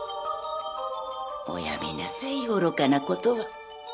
おやめなさい愚かな事は。